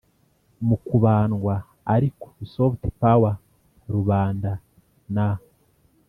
mu kubandwa ariko (soft power) rubanda n'